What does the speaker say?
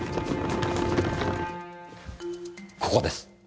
ここです。